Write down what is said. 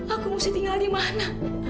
aku mesti tinggal di mana